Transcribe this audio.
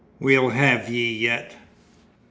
We'll have ye yet.